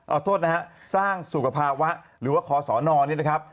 เอาโทษนะฮะสร้างสุขภาวะหรือว่าคศนนี่นะครับ